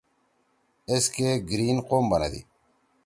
ایس کے گیریِن قوم بندی۔